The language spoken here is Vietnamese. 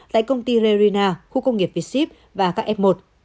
tại công ty lerina khu công nghiệp với sip và các f một